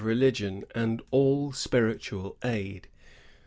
religion, and all spiritual aid.